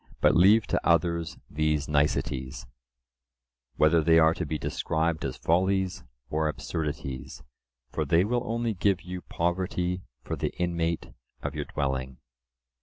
But leave to others these niceties," whether they are to be described as follies or absurdities: "For they will only Give you poverty for the inmate of your dwelling."